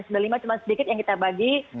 n sembilan puluh lima cuma sedikit yang kita bagi